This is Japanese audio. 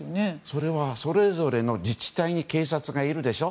それはそれぞれの自治体に警察がいるでしょ。